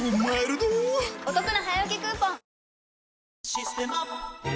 「システマ」